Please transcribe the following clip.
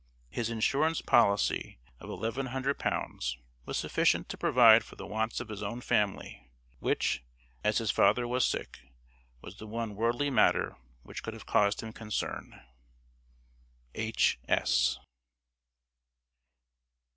His insurance policy of eleven hundred pounds was sufficient to provide for the wants of his own family, which, as his father was sick, was the one worldly matter which could have caused him concern. H. S.